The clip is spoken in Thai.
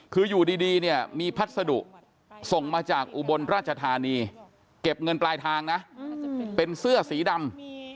คืออยู่ดีเนี่ยมีพัสดุส่งมาจากอุบลราชธานีเก็บเงินปลายทางนะเป็นเสื้อสีดำ